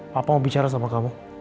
papa mau bicara sama kamu